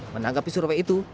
menanggapi survei itu